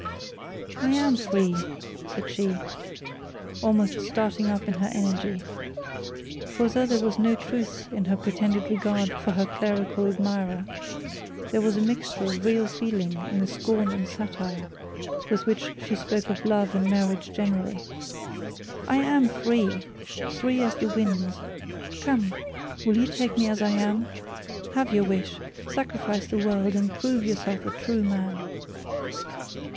'I am free;' said she, almost starting up in her energy. For though there was no truth in her pretended regard for her clerical admirer, there was a mixture of real feeling in the scorn and satire with which she spoke of love and marriage generally. 'I am free; free as the winds. Come, will you take me as I am? Have your wish; sacrifice the world, and prove yourself a true man.'